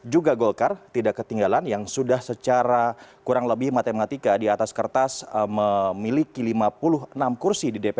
juga golkar tidak ketinggalan yang sudah secara kurang lebih matematika di atas kertas memiliki lima puluh enam kursi di dpr